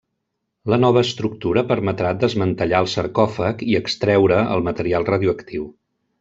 La nova estructura permetrà desmantellar el sarcòfag i extreure el material radioactiu.